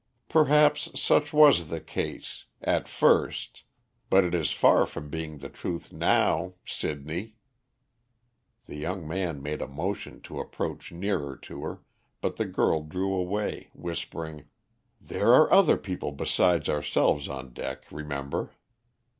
"Perhaps such was the case at first, but it is far from being the truth now Sidney." The young man made a motion to approach nearer to her, but the girl drew away, whispering "There are other people besides ourselves on deck, remember."